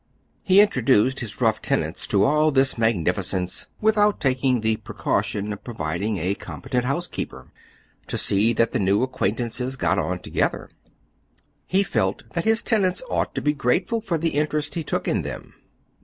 He introduced his rough tenants to all this magnificence without taking the precaution of pro viding a competent housekeeper, to see that the new ac quaintances got on together. He felt that his tenants ought to be grateful for the interest he took in them.